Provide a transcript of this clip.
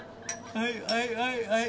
はいはいはいはい。